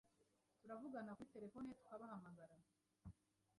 turavugana kuri telefoni tukabahamagara ,